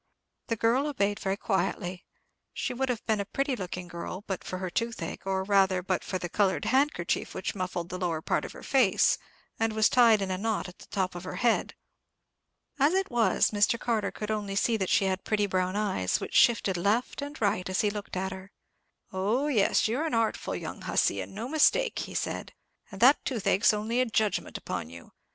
The girl obeyed very quietly. She would have been a pretty looking girl but for her toothache, or rather, but for the coloured handkerchief which muffled the lower part of her face, and was tied in a knot at the top of her head. As it was, Mr. Carter could only see that she had pretty brown eyes, which shifted left and right as he looked at her. "Oh, yes, you're an artful young hussy, and no mistake," he said; "and that toothache's only a judgment upon you.